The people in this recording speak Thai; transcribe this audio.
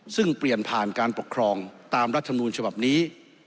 ซึ่งเปลี่ยนผ่านการปกครองตามรัฐมนูญฉบับนี้